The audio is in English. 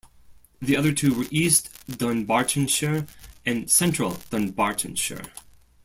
The other two were East Dunbartonshire and Central Dunbartonshire.